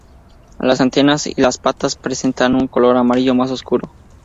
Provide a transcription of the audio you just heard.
Las antenas y las patas presentan un color amarillo más oscuro.